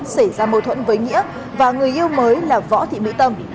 xảy ra mâu thuẫn với nghĩa và người yêu mới là võ thị mỹ tâm